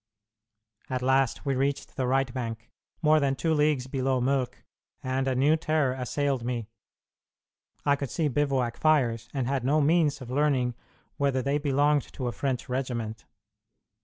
At last we reached the right bank, more than two leagues below Mölk, and a new terror assailed me. I could see bivouac fires, and had no means of learning whether they belonged to a French regiment.